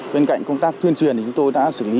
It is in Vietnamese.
bên cạnh công tác tuyên truyền thì chúng tôi đã xử lý